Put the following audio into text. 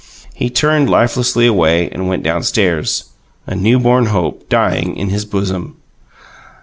He turned lifelessly away and went downstairs, a new born hope dying in his bosom.